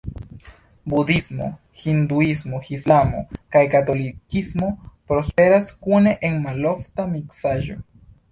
Budhismo, hinduismo, islamo kaj katolikismo prosperas kune en malofta miksaĵo.